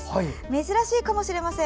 珍しいかもしれません。